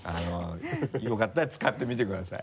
よかったら使ってみてください。